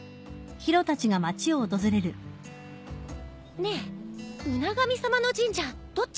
ねえ海神様の神社どっち？